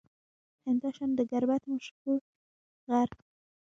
همداشان د گربت مشهور غر